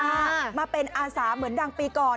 มาเป็นอาสาเหมือนดังปีก่อน